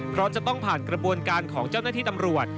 เพราะจะต้องผ่านกระบวนการของเจ้าหน้าที่ตำรวจ